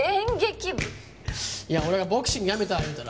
俺がボクシングやめた